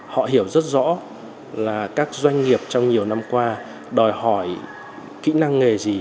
họ hiểu rất rõ là các doanh nghiệp trong nhiều năm qua đòi hỏi kỹ năng nghề gì